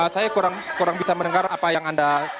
saya kurang bisa mendengar apa yang anda